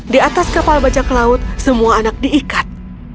di atas kapal bajak laut semua anak diikat